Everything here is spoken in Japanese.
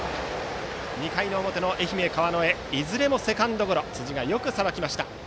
２回の表の愛媛・川之江いずれもセカンドゴロ辻がよくさばきました。